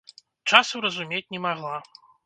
Часу разумець не магла.